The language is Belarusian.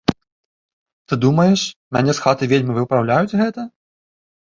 Ты думаеш, мяне з хаты вельмі выпраўляюць гэта?